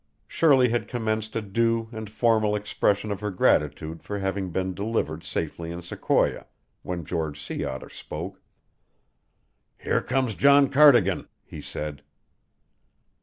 Shirley had commenced a due and formal expression of her gratitude for having been delivered safely in Sequoia, when George Sea Otter spoke: "Here comes John Cardigan," he said.